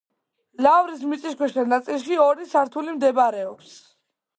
ლავრის მიწისქვეშა ნაწილში ორი სართული მდებარეობს.